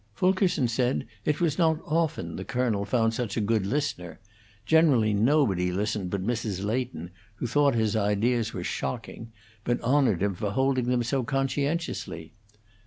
Fulkerson said it was not often the colonel found such a good listener; generally nobody listened but Mrs. Leighton, who thought his ideas were shocking, but honored him for holding them so conscientiously.